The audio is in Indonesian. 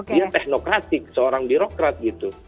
dia teknokratik seorang birokrat gitu